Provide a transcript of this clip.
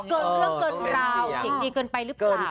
เกินเรื่องเกินราวเสียงดีเกินไปหรือเปล่า